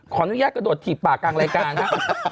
ขออนุญาตกระโดดถีบปากกลางรายการฮะ